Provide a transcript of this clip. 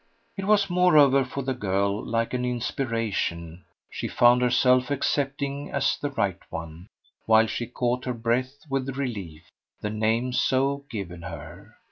It was moreover, for the girl, like an inspiration: she found herself accepting as the right one, while she caught her breath with relief, the name so given her.